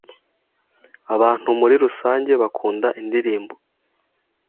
abantu muri rusange bakunda indirimbo